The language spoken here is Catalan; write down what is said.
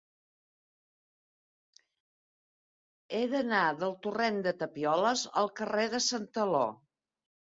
He d'anar del torrent de Tapioles al carrer de Santaló.